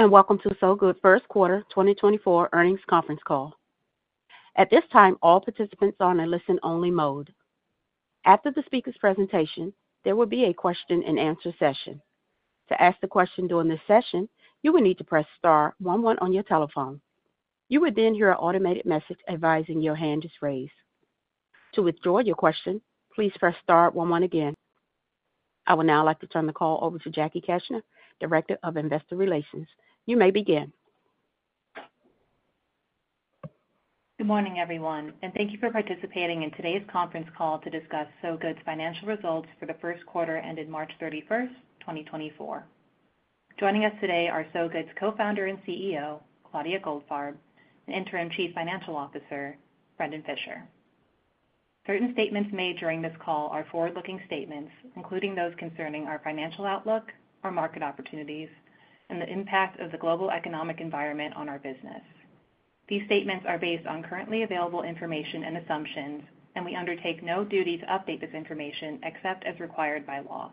Welcome to Sow Good First Quarter 2024 Earnings Conference Call. At this time, all participants are in a listen-only mode. After the speaker's presentation, there will be a question-and-answer session. To ask the question during this session, you will need to press star one, one on your telephone. You would then hear an automated message advising your hand is raised. To withdraw your question, please press star one, one again. I would now like to turn the call over to Jackie Keshner, Director of Investor Relations. You may begin. Good morning, everyone, and thank you for participating in today's conference call to discuss Sow Good's financial results for the first quarter ended March 31st, 2024. Joining us today are Sow Good's Co-founder and CEO, Claudia Goldfarb, and Interim Chief Financial Officer, Brendon Fischer. Certain statements made during this call are forward-looking statements, including those concerning our financial outlook, our market opportunities, and the impact of the global economic environment on our business. These statements are based on currently available information and assumptions, and we undertake no duty to update this information except as required by law.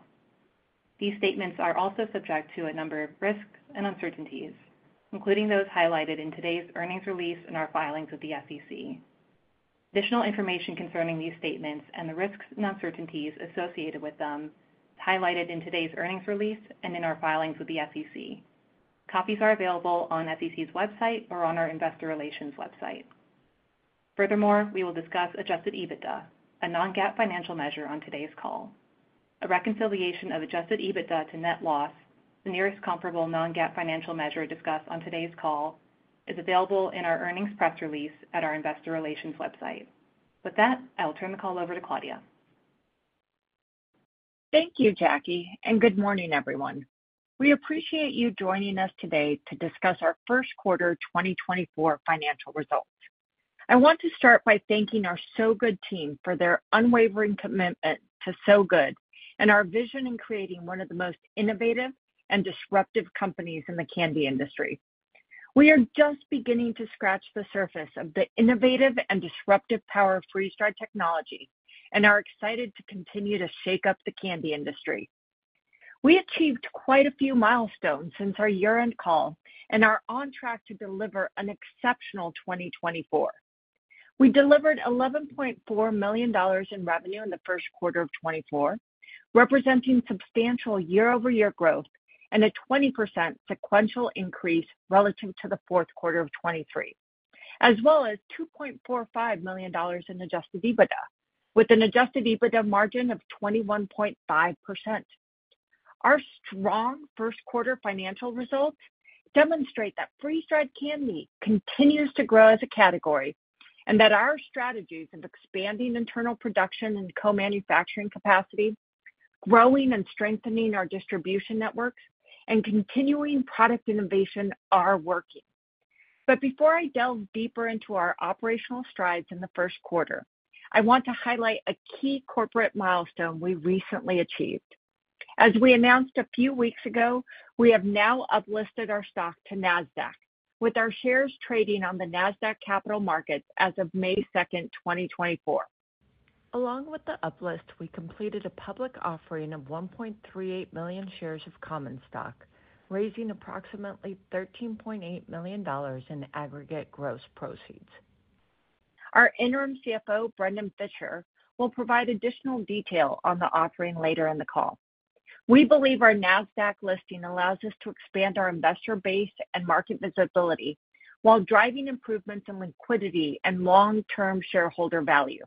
These statements are also subject to a number of risks and uncertainties, including those highlighted in today's earnings release and our filings with the SEC. Additional information concerning these statements and the risks and uncertainties associated with them is highlighted in today's earnings release and in our filings with the SEC. Copies are available on SEC's website or on our Investor Relations website. Furthermore, we will discuss adjusted EBITDA, a non-GAAP financial measure, on today's call. A reconciliation of adjusted EBITDA to net loss, the nearest comparable non-GAAP financial measure discussed on today's call, is available in our earnings press release at our Investor Relations website. With that, I'll turn the call over to Claudia. Thank you, Jackie, and good morning, everyone. We appreciate you joining us today to discuss our first quarter 2024 financial results. I want to start by thanking our Sow Good team for their unwavering commitment to Sow Good and our vision in creating one of the most innovative and disruptive companies in the candy industry. We are just beginning to scratch the surface of the innovative and disruptive power of freeze drying technology, and are excited to continue to shake up the candy industry. We achieved quite a few milestones since our year-end call and are on track to deliver an exceptional 2024. We delivered $11.4 million in revenue in the first quarter of 2024, representing substantial year-over-year growth and a 20% sequential increase relative to the fourth quarter of 2023, as well as $2.45 million in Adjusted EBITDA, with an Adjusted EBITDA margin of 21.5%. Our strong first quarter financial results demonstrate that freeze dried candy continues to grow as a category and that our strategies of expanding internal production and co-manufacturing capacity, growing and strengthening our distribution networks, and continuing product innovation are working. But before I delve deeper into our operational strides in the first quarter, I want to highlight a key corporate milestone we recently achieved. As we announced a few weeks ago, we have now uplisted our stock to NASDAQ, with our shares trading on the NASDAQ Capital Markets as of May 2, 2024. Along with the uplist, we completed a public offering of 1.38 million shares of common stock, raising approximately $13.8 million in aggregate gross proceeds. Our Interim CFO, Brendon Fischer, will provide additional detail on the offering later in the call. We believe our NASDAQ listing allows us to expand our investor base and market visibility while driving improvements in liquidity and long-term shareholder value.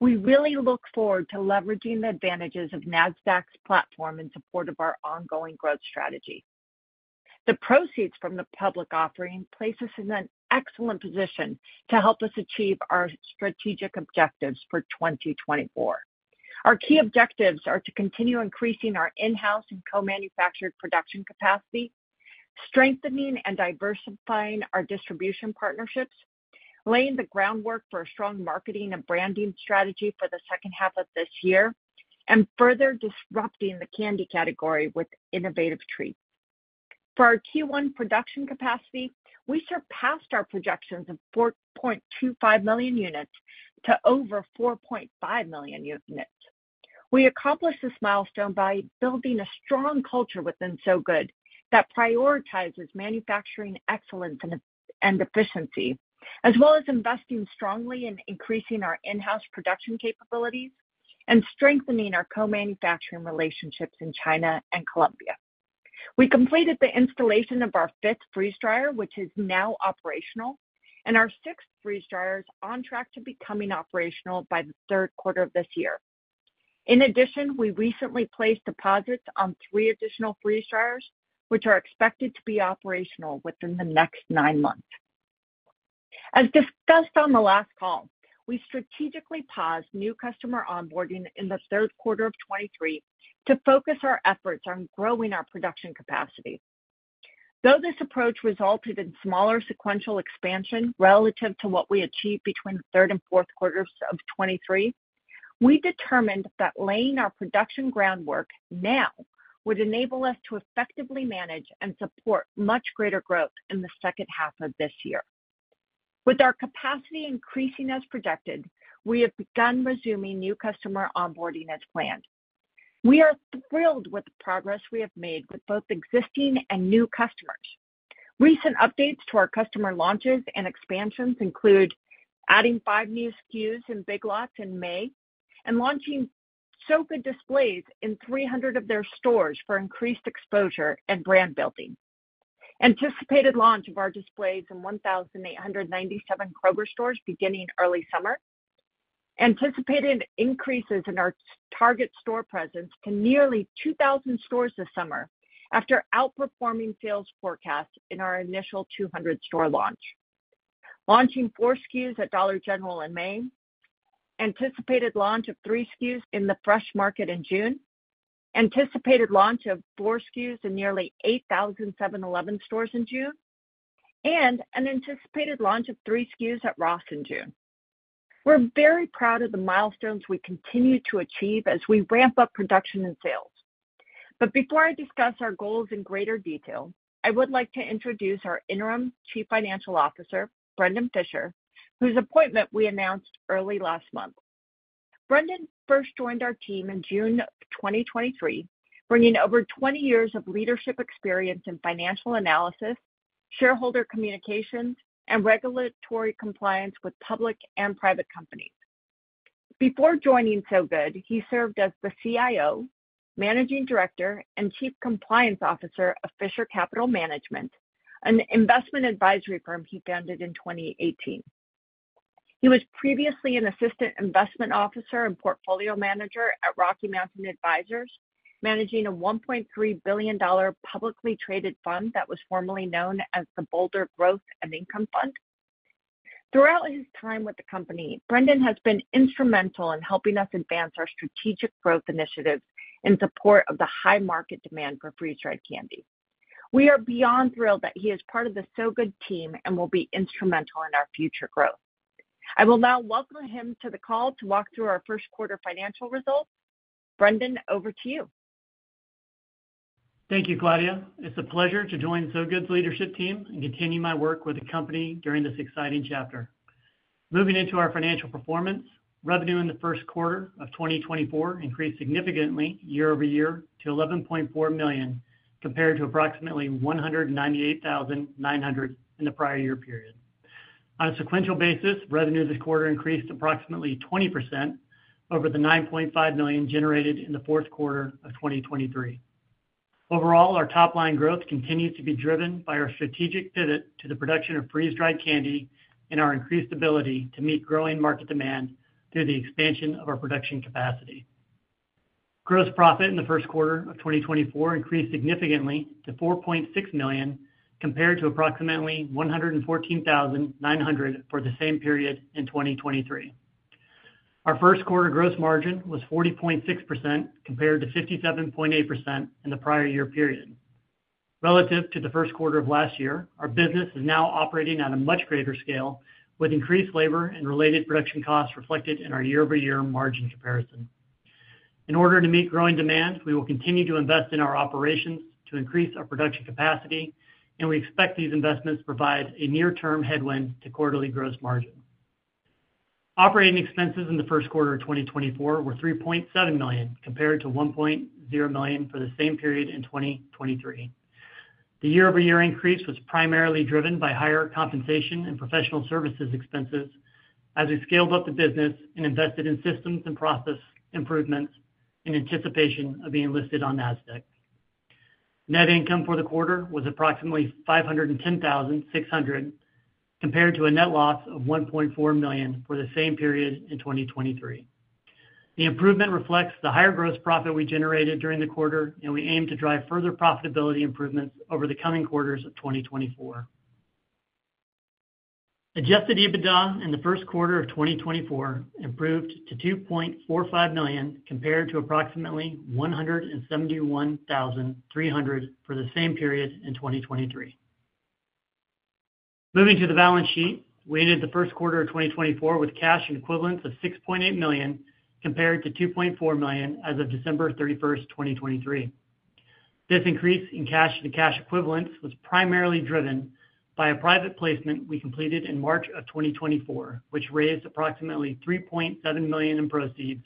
We really look forward to leveraging the advantages of NASDAQ's platform in support of our ongoing growth strategy. The proceeds from the public offering place us in an excellent position to help us achieve our strategic objectives for 2024. Our key objectives are to continue increasing our in-house and co-manufactured production capacity, strengthening and diversifying our distribution partnerships, laying the groundwork for a strong marketing and branding strategy for the second half of this year, and further disrupting the candy category with innovative treats. For our Q1 production capacity, we surpassed our projections of 4.25 million units to over 4.5 million units. We accomplished this milestone by building a strong culture within Sow Good that prioritizes manufacturing excellence and efficiency, as well as investing strongly in increasing our in-house production capabilities and strengthening our co-manufacturing relationships in China and Colombia. We completed the installation of our fifth freeze dryer, which is now operational, and our sixth freeze dryer is on track to becoming operational by the third quarter of this year. In addition, we recently placed deposits on three additional freeze dryers, which are expected to be operational within the next nine months. As discussed on the last call, we strategically paused new customer onboarding in the third quarter of 2023 to focus our efforts on growing our production capacity. Though this approach resulted in smaller sequential expansion relative to what we achieved between the third and fourth quarters of 2023, we determined that laying our production groundwork now would enable us to effectively manage and support much greater growth in the second half of this year. With our capacity increasing as projected, we have begun resuming new customer onboarding as planned. We are thrilled with the progress we have made with both existing and new customers. Recent updates to our customer launches and expansions include adding five new SKUs in Big Lots in May and launching Sow Good displays in 300 of their stores for increased exposure and brand building. Anticipated launch of our displays in 1,897 Kroger stores beginning early summer. Anticipated increases in our target store presence to nearly 2,000 stores this summer after outperforming sales forecasts in our initial 200-store launch. Launching four SKUs at Dollar General in May. Anticipated launch of three SKUs in The Fresh Market in June. Anticipated launch of four SKUs in nearly 8,000 7-Eleven stores in June. An anticipated launch of three SKUs at Ross in June. We're very proud of the milestones we continue to achieve as we ramp up production and sales. But before I discuss our goals in greater detail, I would like to introduce our Interim Chief Financial Officer, Brendon Fischer, whose appointment we announced early last month. Brendon first joined our team in June of 2023, bringing over 20 years of leadership experience in financial analysis, shareholder communications, and regulatory compliance with public and private companies. Before joining Sow Good, he served as the CIO, Managing Director, and Chief Compliance Officer of Fisher Capital Management, an investment advisory firm he founded in 2018. He was previously an assistant investment officer and portfolio manager at Rocky Mountain Advisors, managing a $1.3 billion publicly traded fund that was formerly known as the Boulder Growth and Income Fund. Throughout his time with the company, Brendon has been instrumental in helping us advance our strategic growth initiatives in support of the high market demand for freeze dried candy. We are beyond thrilled that he is part of the Sow Good team and will be instrumental in our future growth. I will now welcome him to the call to walk through our first quarter financial results. Brendon, over to you. Thank you, Claudia. It's a pleasure to join Sow Good's leadership team and continue my work with the company during this exciting chapter. Moving into our financial performance, revenue in the first quarter of 2024 increased significantly year over year to $11.4 million compared to approximately $198,900 in the prior year period. On a sequential basis, revenue this quarter increased approximately 20% over the $9.5 million generated in the fourth quarter of 2023. Overall, our top-line growth continues to be driven by our strategic pivot to the production of freeze dried candy and our increased ability to meet growing market demand through the expansion of our production capacity. Gross profit in the first quarter of 2024 increased significantly to $4.6 million compared to approximately $114,900 for the same period in 2023. Our first quarter gross margin was 40.6% compared to 57.8% in the prior year period. Relative to the first quarter of last year, our business is now operating at a much greater scale, with increased labor and related production costs reflected in our year-over-year margin comparison. In order to meet growing demand, we will continue to invest in our operations to increase our production capacity, and we expect these investments to provide a near-term headwind to quarterly gross margins. Operating expenses in the first quarter of 2024 were $3.7 million compared to $1.0 million for the same period in 2023. The year-over-year increase was primarily driven by higher compensation and professional services expenses as we scaled up the business and invested in systems and process improvements in anticipation of being listed on NASDAQ. Net income for the quarter was approximately $510,600 compared to a net loss of $1.4 million for the same period in 2023. The improvement reflects the higher gross profit we generated during the quarter, and we aim to drive further profitability improvements over the coming quarters of 2024. Adjusted EBITDA in the first quarter of 2024 improved to $2.45 million compared to approximately $171,300 for the same period in 2023. Moving to the balance sheet, we ended the first quarter of 2024 with cash and equivalents of $6.8 million compared to $2.4 million as of December 31st, 2023. This increase in cash and cash equivalents was primarily driven by a private placement we completed in March of 2024, which raised approximately $3.7 million in proceeds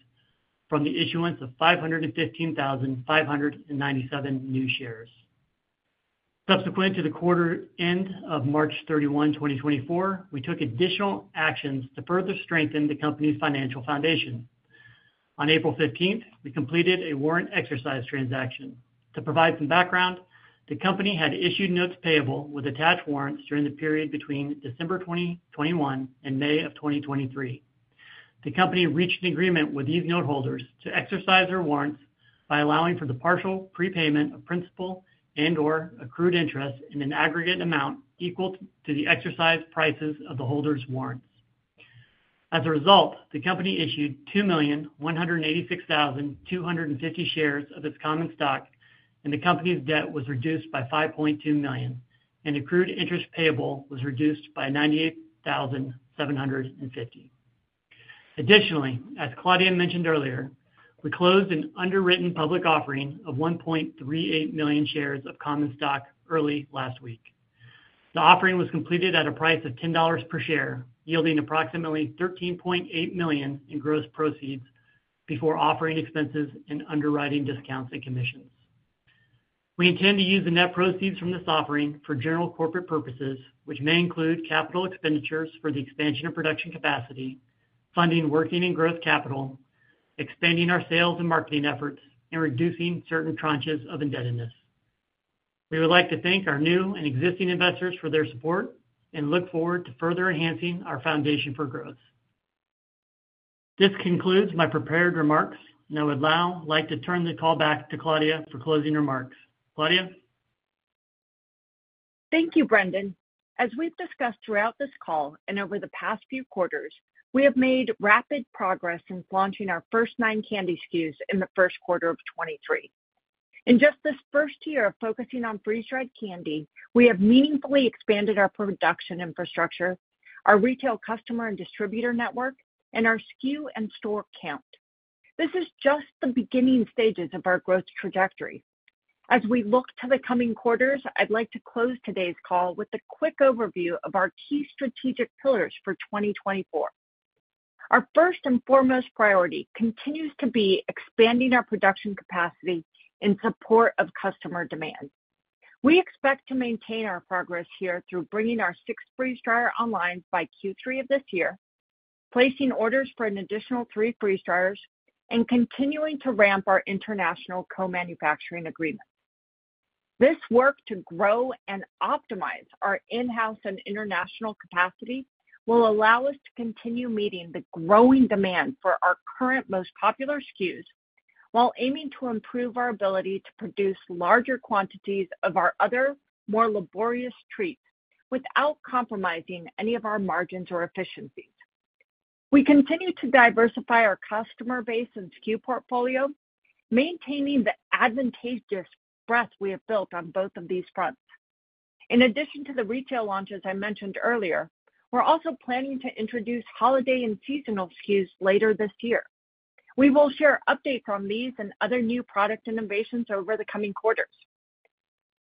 from the issuance of 515,597 new shares. Subsequent to the quarter end of March 31, 2024, we took additional actions to further strengthen the company's financial foundation. On April 15th, we completed a warrant exercise transaction. To provide some background, the company had issued notes payable with attached warrants during the period between December 2021 and May of 2023. The company reached an agreement with these noteholders to exercise their warrants by allowing for the partial prepayment of principal and/or accrued interest in an aggregate amount equal to the exercise prices of the holders' warrants. As a result, the company issued 2,186,250 shares of its common stock, and the company's debt was reduced by $5.2 million, and accrued interest payable was reduced by $98,750. Additionally, as Claudia mentioned earlier, we closed an underwritten public offering of 1.38 million shares of common stock early last week. The offering was completed at a price of $10 per share, yielding approximately $13.8 million in gross proceeds before offering expenses and underwriting discounts and commissions. We intend to use the net proceeds from this offering for general corporate purposes, which may include capital expenditures for the expansion of production capacity, funding working and growth capital, expanding our sales and marketing efforts, and reducing certain tranches of indebtedness. We would like to thank our new and existing investors for their support and look forward to further enhancing our foundation for growth. This concludes my prepared remarks, and I would now like to turn the call back to Claudia for closing remarks. Claudia? Thank you, Brendon. As we've discussed throughout this call and over the past few quarters, we have made rapid progress in launching our first nine candy SKUs in the first quarter of 2023. In just this first year of focusing on freeze dried candy, we have meaningfully expanded our production infrastructure, our retail customer and distributor network, and our SKU and store count. This is just the beginning stages of our growth trajectory. As we look to the coming quarters, I'd like to close today's call with a quick overview of our key strategic pillars for 2024. Our first and foremost priority continues to be expanding our production capacity in support of customer demand. We expect to maintain our progress here through bringing our sixth freeze dryer online by Q3 of this year, placing orders for an additional three freeze dryers, and continuing to ramp our international co-manufacturing agreements. This work to grow and optimize our in-house and international capacity will allow us to continue meeting the growing demand for our current most popular SKUs while aiming to improve our ability to produce larger quantities of our other, more laborious treats without compromising any of our margins or efficiencies. We continue to diversify our customer base and SKU portfolio, maintaining the advantageous breadth we have built on both of these fronts. In addition to the retail launches I mentioned earlier, we're also planning to introduce holiday and seasonal SKUs later this year. We will share updates on these and other new product innovations over the coming quarters.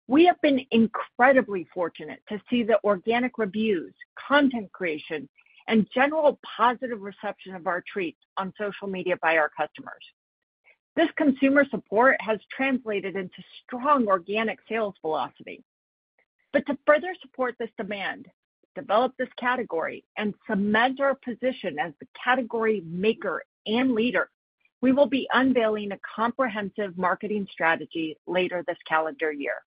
We have been incredibly fortunate to see the organic reviews, content creation, and general positive reception of our treats on social media by our customers. This consumer support has translated into strong organic sales velocity. But to further support this demand, develop this category, and cement our position as the category maker and leader, we will be unveiling a comprehensive marketing strategy later this calendar year.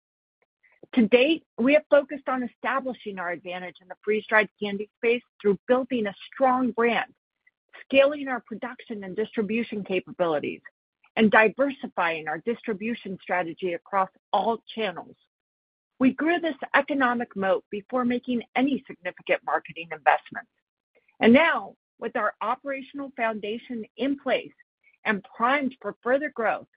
To date, we have focused on establishing our advantage in the freeze dried candy space through building a strong brand, scaling our production and distribution capabilities, and diversifying our distribution strategy across all channels. We grew this economic moat before making any significant marketing investments. And now, with our operational foundation in place and primed for further growth,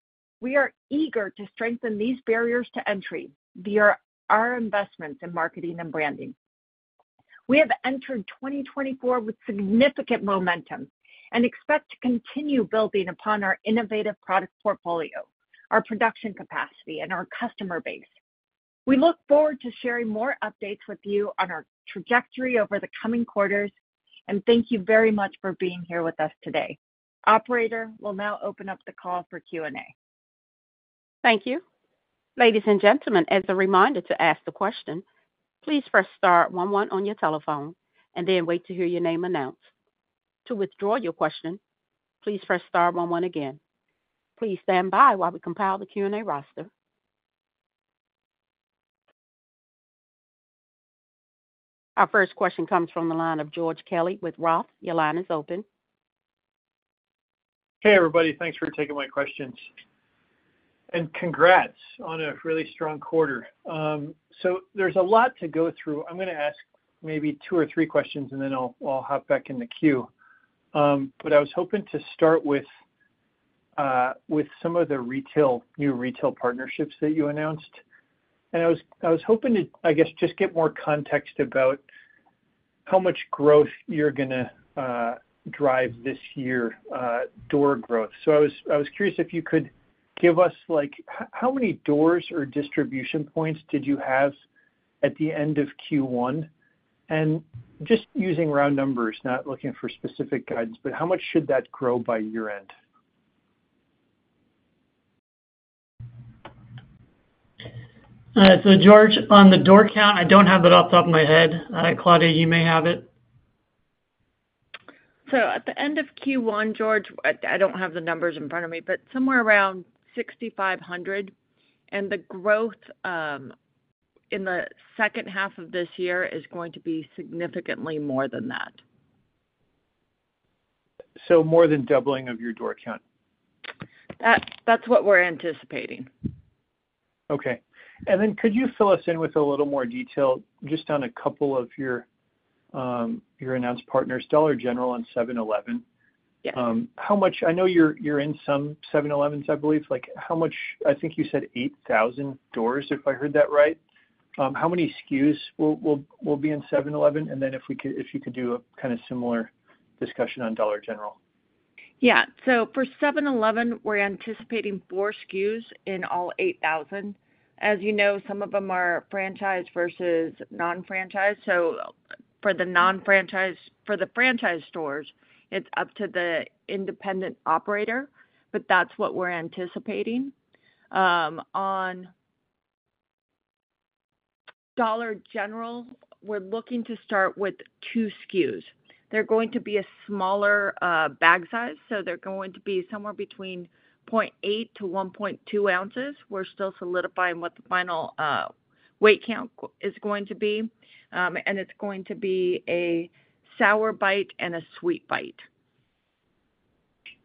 we are eager to strengthen these barriers to entry via our investments in marketing and branding. We have entered 2024 with significant momentum and expect to continue building upon our innovative product portfolio, our production capacity, and our customer base. We look forward to sharing more updates with you on our trajectory over the coming quarters, and thank you very much for being here with us today. Operator will now open up the call for Q&A. Thank you. Ladies and gentlemen, as a reminder to ask the question, please press star one, one on your telephone and then wait to hear your name announced. To withdraw your question, please press star one, one again. Please stand by while we compile the Q&A roster. Our first question comes from the line of George Kelly with Roth. Your line is open. Hey, everybody. Thanks for taking my questions. Congrats on a really strong quarter. There's a lot to go through. I'm going to ask maybe two or three questions, and then I'll hop back in the queue. I was hoping to start with some of the new retail partnerships that you announced. I was hoping to, I guess, just get more context about how much growth you're going to drive this year, door growth. I was curious if you could give us how many doors or distribution points did you have at the end of Q1? Just using round numbers, not looking for specific guidance, but how much should that grow by year-end? George, on the door count, I don't have it off the top of my head. Claudia, you may have it. So at the end of Q1, George, I don't have the numbers in front of me, but somewhere around 6,500. The growth in the second half of this year is going to be significantly more than that. More than doubling of your door count? That's what we're anticipating. Okay. And then could you fill us in with a little more detail just on a couple of your announced partners? Dollar General and 7-Eleven. I know you're in some 7-Elevens, I believe. I think you said 8,000 doors, if I heard that right. How many SKUs will be in 7-Eleven? And then if you could do a kind of similar discussion on Dollar General. Yeah. So for 7-Eleven, we're anticipating four SKUs in all 8,000. As you know, some of them are franchised versus non-franchised. So for the franchised stores, it's up to the independent operator, but that's what we're anticipating. On Dollar General, we're looking to start with two SKUs. They're going to be a smaller bag size. So they're going to be somewhere between 0.8-1.2 ounces. We're still solidifying what the final weight count is going to be. And it's going to be a Sour Bite and a Sweet Bite.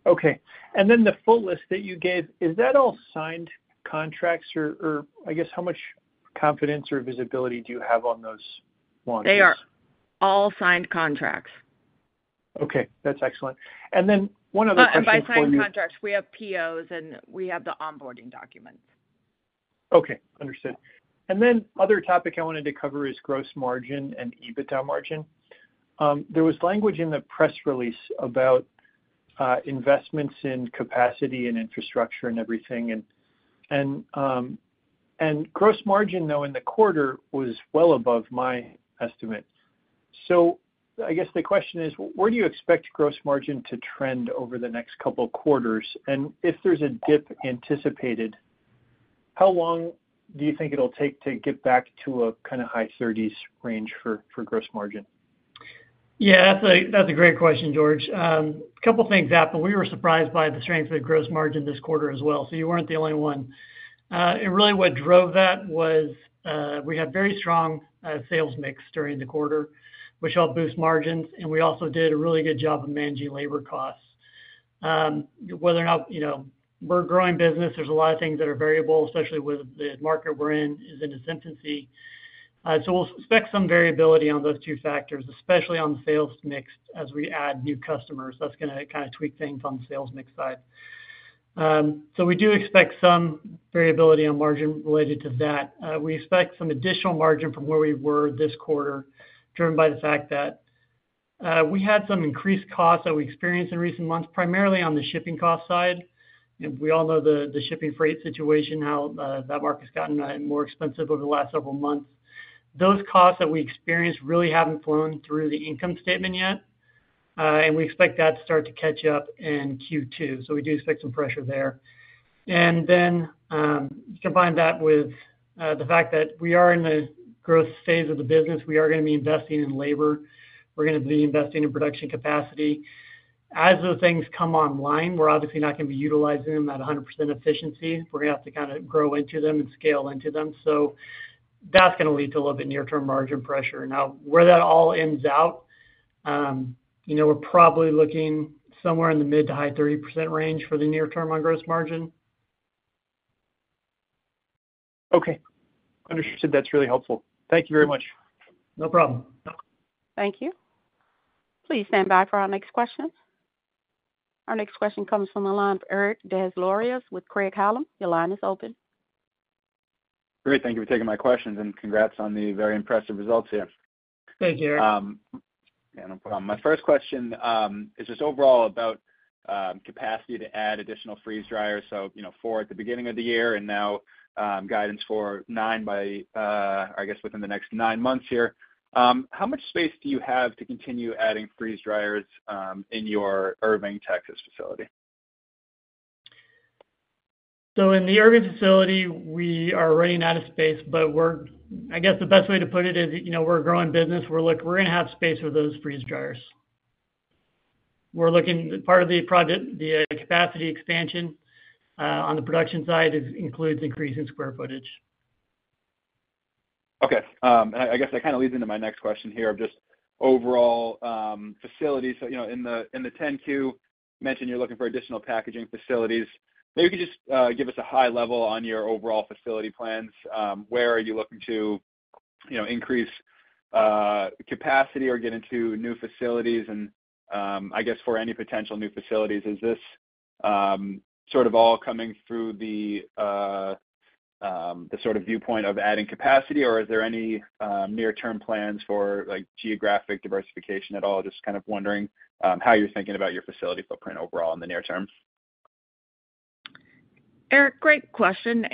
Okay. And then the full list that you gave, is that all signed contracts? Or I guess, how much confidence or visibility do you have on those launches? They are all signed contracts. Okay. That's excellent. And then one other question for you. Oh, by signed contracts, we have POs, and we have the onboarding documents. Okay. Understood. And then other topic I wanted to cover is gross margin and EBITDA margin. There was language in the press release about investments in capacity and infrastructure and everything. And gross margin, though, in the quarter was well above my estimate. So I guess the question is, where do you expect gross margin to trend over the next couple of quarters? And if there's a dip anticipated, how long do you think it'll take to get back to a kind of high 30s range for gross margin? Yeah. That's a great question, George. A couple of things happened. We were surprised by the strength of the gross margin this quarter as well. So you weren't the only one. And really, what drove that was we had very strong sales mix during the quarter, which helped boost margins. And we also did a really good job of managing labor costs. Whether or not we're a growing business, there's a lot of things that are variable, especially with the market we're in is in its infancy. So we'll expect some variability on those two factors, especially on the sales mix as we add new customers. That's going to kind of tweak things on the sales mix side. So we do expect some variability on margin related to that. We expect some additional margin from where we were this quarter, driven by the fact that we had some increased costs that we experienced in recent months, primarily on the shipping cost side. We all know the shipping freight situation, how that market's gotten more expensive over the last several months. Those costs that we experienced really haven't flown through the income statement yet. We expect that to start to catch up in Q2. We do expect some pressure there. Then combine that with the fact that we are in the growth phase of the business. We are going to be investing in labor. We're going to be investing in production capacity. As those things come online, we're obviously not going to be utilizing them at 100% efficiency. We're going to have to kind of grow into them and scale into them. So that's going to lead to a little bit near-term margin pressure. Now, where that all ends up, we're probably looking somewhere in the mid- to high-30% range for the near-term on gross margin. Okay. Understood. That's really helpful. Thank you very much. No problem. Thank you. Please stand by for our next question. Our next question comes from the line of Eric Des Lauriers with Craig-Hallum. Your line is open. Great. Thank you for taking my questions. Congrats on the very impressive results here. Thank you, Eric. My first question is just overall about capacity to add additional freeze dryers. Four at the beginning of the year and now guidance for nine by, I guess, within the next nine months here. How much space do you have to continue adding freeze dryers in your Irving, Texas facility? In the Irving facility, we are running out of space. I guess the best way to put it is we're a growing business. We're going to have space for those freeze dryers. Part of the capacity expansion on the production side includes increasing square footage. Okay. And I guess that kind of leads into my next question here of just overall facilities. So in the 10-Q, you mentioned you're looking for additional packaging facilities. Maybe you could just give us a high-level on your overall facility plans. Where are you looking to increase capacity or get into new facilities? And I guess for any potential new facilities, is this sort of all coming through the sort of viewpoint of adding capacity? Or is there any near-term plans for geographic diversification at all? Just kind of wondering how you're thinking about your facility footprint overall in the near term. Eric, great question.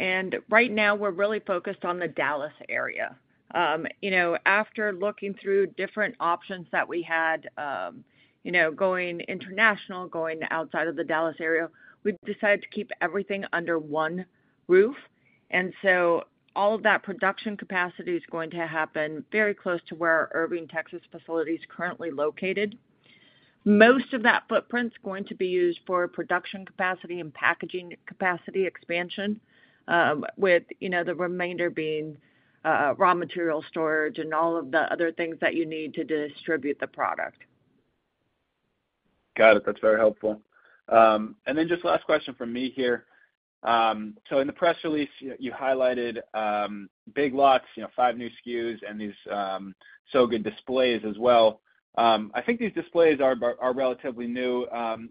Right now, we're really focused on the Dallas area. After looking through different options that we had going international, going outside of the Dallas area, we've decided to keep everything under one roof. So all of that production capacity is going to happen very close to where our Irving, Texas facility is currently located. Most of that footprint's going to be used for production capacity and packaging capacity expansion, with the remainder being raw material storage and all of the other things that you need to distribute the product. Got it. That's very helpful. And then just last question from me here. So in the press release, you highlighted Big Lots, five new SKUs, and these Sow Good displays as well. I think these displays are relatively new.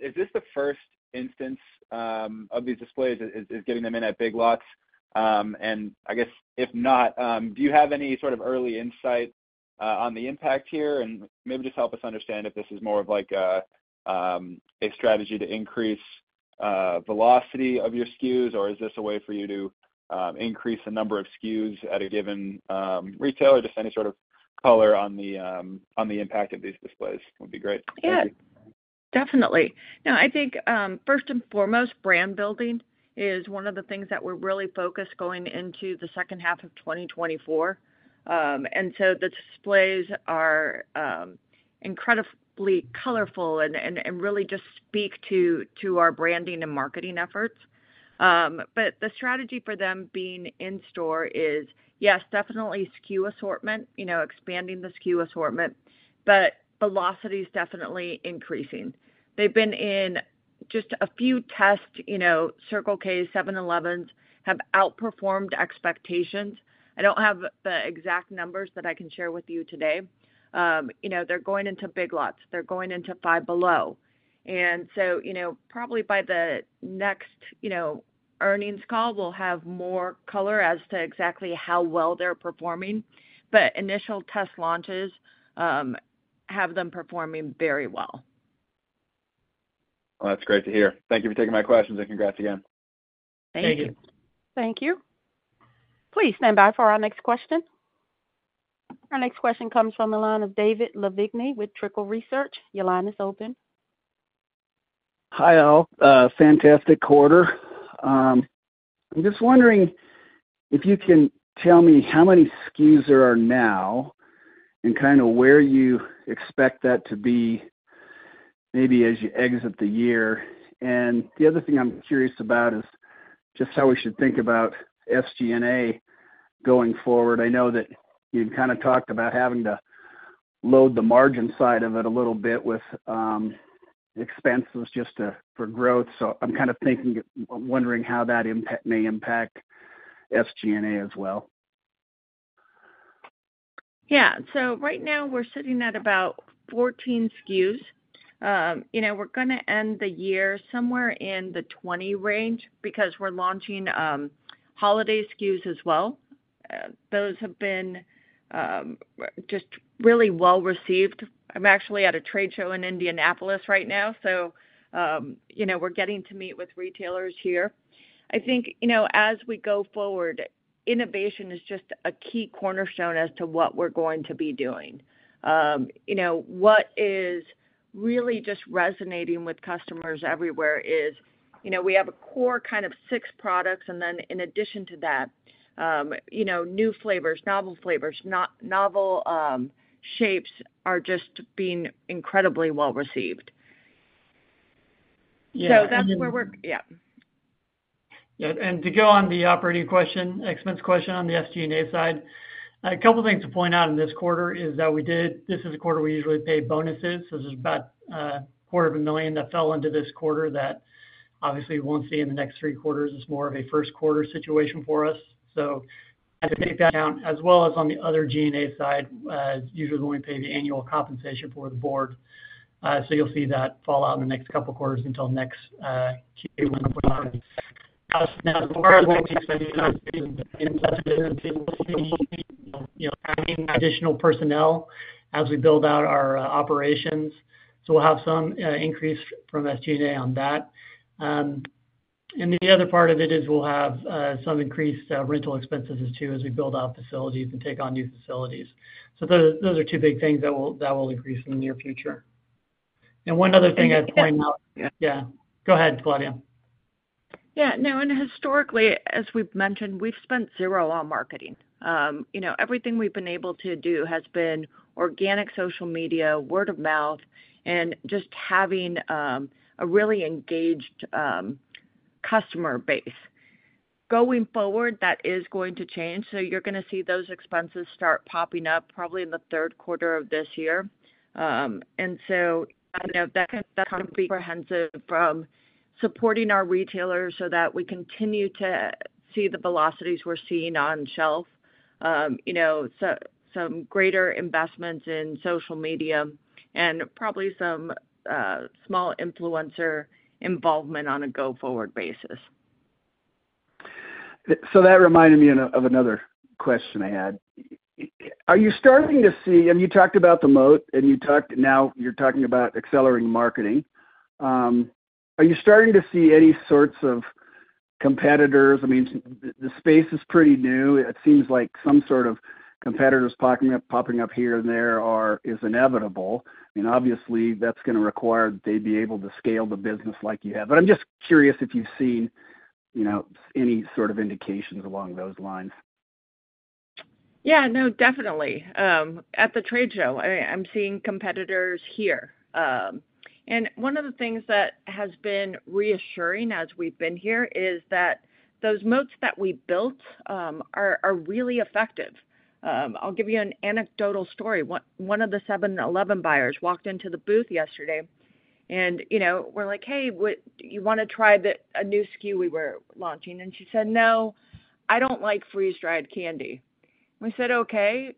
Is this the first instance of these displays is getting them in at Big Lots? And I guess if not, do you have any sort of early insight on the impact here? And maybe just help us understand if this is more of a strategy to increase velocity of your SKUs, or is this a way for you to increase the number of SKUs at a given retailer? Just any sort of color on the impact of these displays would be great. Yeah. Definitely. Now, I think first and foremost, brand building is one of the things that we're really focused going into the second half of 2024. And so the displays are incredibly colorful and really just speak to our branding and marketing efforts. But the strategy for them being in-store is, yes, definitely SKU assortment, expanding the SKU assortment, but velocity is definitely increasing. They've been in just a few tests. Circle K's, 7-Elevens have outperformed expectations. I don't have the exact numbers that I can share with you today. They're going into Big Lots. They're going into Five Below. And so probably by the next earnings call, we'll have more color as to exactly how well they're performing. But initial test launches have them performing very well. Well, that's great to hear. Thank you for taking my questions. Congrats again. Thank you. Thank you. Thank you. Please stand by for our next question. Our next question comes from the line of David Lavigne with Trickle Research. Your line is open. Hi all. Fantastic quarter. I'm just wondering if you can tell me how many SKUs there are now and kind of where you expect that to be maybe as you exit the year. And the other thing I'm curious about is just how we should think about SG&A going forward. I know that you've kind of talked about having to load the margin side of it a little bit with expenses just for growth. So I'm kind of wondering how that may impact SG&A as well. Yeah. So right now, we're sitting at about 14 SKUs. We're going to end the year somewhere in the 20 range because we're launching holiday SKUs as well. Those have been just really well received. I'm actually at a trade show in Indianapolis right now. So we're getting to meet with retailers here. I think as we go forward, innovation is just a key cornerstone as to what we're going to be doing. What is really just resonating with customers everywhere is we have a core kind of six products. And then in addition to that, new flavors, novel flavors, novel shapes are just being incredibly well received. So that's where we're yeah. Yeah. And to go on the operating question, expense question on the SG&A side, a couple of things to point out in this quarter is that this is a quarter we usually pay bonuses. So there's about $250,000 that fell into this quarter that obviously we won't see in the next three quarters. It's more of a first-quarter situation for us. So you have to take that into account as well as on the other G&A side, usually when we pay the annual compensation for the board. So you'll see that fall out in the next couple of quarters until next Q when we're operating. Now, as far as what we expect to be in such a business, we'll see additional personnel as we build out our operations. So we'll have some increase from SG&A on that. The other part of it is we'll have some increased rental expenses as well as we build out facilities and take on new facilities. So those are two big things that will increase in the near future. And one other thing I'd point out, yeah. Go ahead, Claudia. Yeah. No. And historically, as we've mentioned, we've spent zero on marketing. Everything we've been able to do has been organic social media, word of mouth, and just having a really engaged customer base. Going forward, that is going to change. So you're going to see those expenses start popping up probably in the third quarter of this year. And so that's going to be comprehensive from supporting our retailers so that we continue to see the velocities we're seeing on shelf, some greater investments in social media, and probably some small influencer involvement on a go-forward basis. That reminded me of another question I had. Are you starting to see, and you talked about the moat. Now you're talking about accelerating marketing. Are you starting to see any sorts of competitors? I mean, the space is pretty new. It seems like some sort of competitors popping up here and there is inevitable. I mean, obviously, that's going to require that they be able to scale the business like you have. But I'm just curious if you've seen any sort of indications along those lines. Yeah. No. Definitely. At the trade show, I'm seeing competitors here. And one of the things that has been reassuring as we've been here is that those moats that we built are really effective. I'll give you an anecdotal story. One of the 7-Eleven buyers walked into the booth yesterday. And we're like, "Hey, you want to try a new SKU we were launching?" And she said, "No, I don't like freeze-dried candy." We said, "Okay.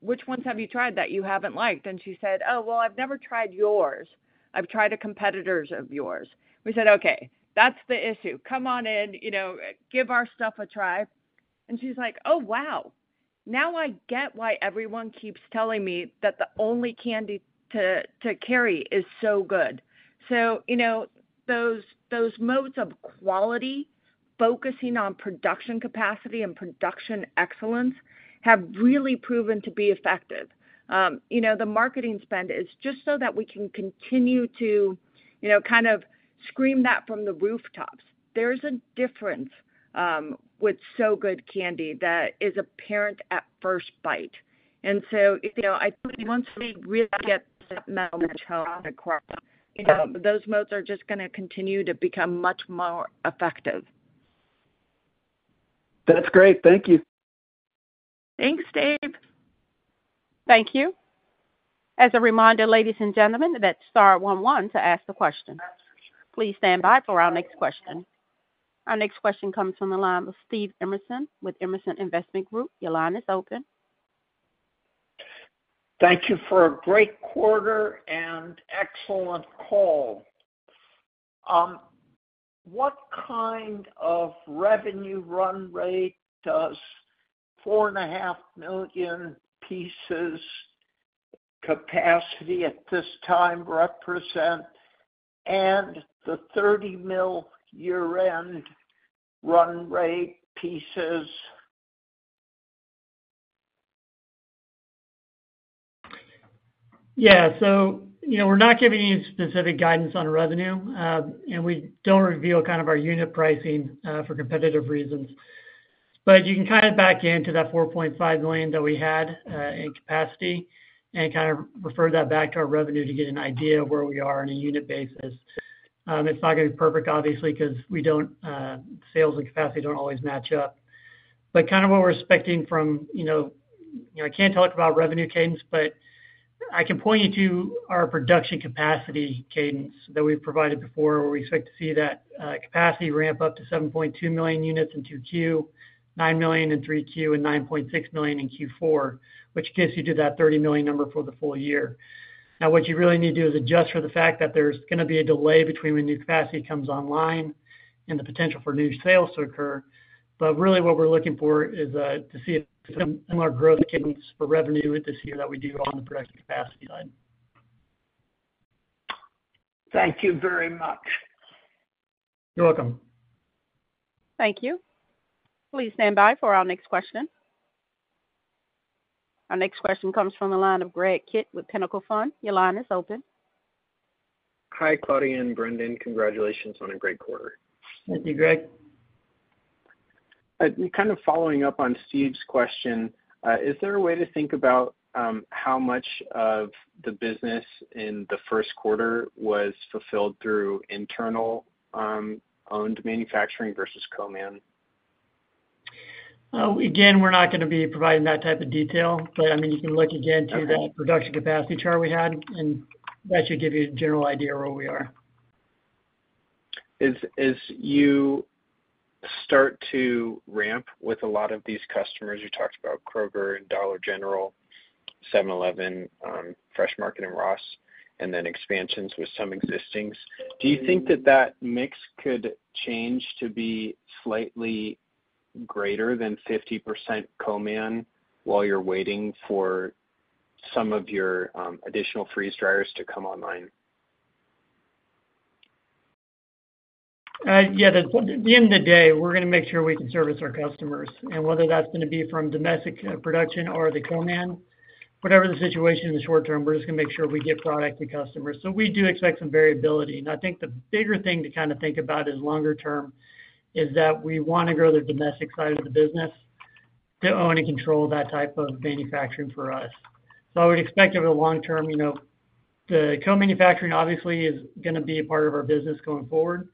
Which ones have you tried that you haven't liked?" And she said, "Oh, well, I've never tried yours. I've tried a competitor's of yours." We said, "Okay. That's the issue. Come on in. Give our stuff a try." And she's like, "Oh, wow. Now I get why everyone keeps telling me that the only candy to carry is Sow Good." So those moats of quality, focusing on production capacity and production excellence, have really proven to be effective. The marketing spend is just so that we can continue to kind of scream that from the rooftops. There's a difference with Sow Good candy that is apparent at first bite. And so I think once we really get that message in a nutshell across, those moats are just going to continue to become much more effective. That's great. Thank you. Thanks, Dave. Thank you. As a reminder, ladies and gentlemen, that's star 11 to ask the question. Please stand by for our next question. Our next question comes from the line of Steve Emerson with Emerson Investment Group. Your line is open. Thank you for a great quarter and excellent call. What kind of revenue run rate does 4.5 million pieces capacity at this time represent? And the 30 million year-end run rate pieces? Yeah. So we're not giving any specific guidance on revenue. And we don't reveal kind of our unit pricing for competitive reasons. But you can kind of back into that 4.5 million that we had in capacity and kind of refer that back to our revenue to get an idea of where we are on a unit basis. It's not going to be perfect, obviously, because sales and capacity don't always match up. But kind of what we're expecting from I can't talk about revenue cadence, but I can point you to our production capacity cadence that we've provided before where we expect to see that capacity ramp up to 7.2 million units in 2Q, 9 million in 3Q, and 9.6 million in Q4, which gets you to that 30 million number for the full year. Now, what you really need to do is adjust for the fact that there's going to be a delay between when new capacity comes online and the potential for new sales to occur. But really, what we're looking for is to see if similar growth cadence for revenue this year that we do on the production capacity side. Thank you very much. You're welcome. Thank you. Please stand by for our next question. Our next question comes from the line of Greg Kitt with Pinnacle Fund. Your line is open. Hi, Claudia and Brendon. Congratulations on a great quarter. Thank you, Greg. Kind of following up on Steve's question, is there a way to think about how much of the business in the first quarter was fulfilled through internal-owned manufacturing versus co-man? Again, we're not going to be providing that type of detail. But I mean, you can look again to that production capacity chart we had. And that should give you a general idea of where we are. As you start to ramp with a lot of these customers, you talked about Kroger and Dollar General, 7-Eleven, Fresh Market and Ross, and then expansions with some existing. Do you think that that mix could change to be slightly greater than 50% co-man while you're waiting for some of your additional freeze dryers to come online? Yeah. At the end of the day, we're going to make sure we can service our customers. And whether that's going to be from domestic production or the co-man, whatever the situation in the short term, we're just going to make sure we get product to customers. So we do expect some variability. And I think the bigger thing to kind of think about as longer term is that we want to grow the domestic side of the business to own and control that type of manufacturing for us. So I would expect over the long term, the co-manufacturing, obviously, is going to be a part of our business going forward.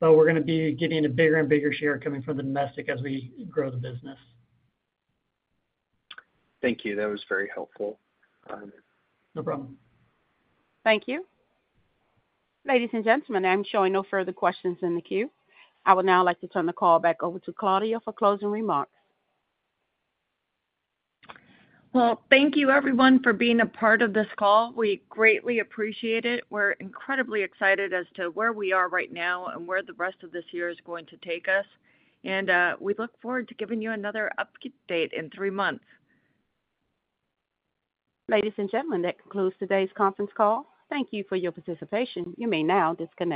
But we're going to be getting a bigger and bigger share coming from the domestic as we grow the business. Thank you. That was very helpful. No problem. Thank you. Ladies and gentlemen, I'm showing no further questions in the queue. I would now like to turn the call back over to Claudia for closing remarks. Well, thank you, everyone, for being a part of this call. We greatly appreciate it. We're incredibly excited as to where we are right now and where the rest of this year is going to take us. We look forward to giving you another update in three months. Ladies and gentlemen, that concludes today's conference call. Thank you for your participation. You may now disconnect.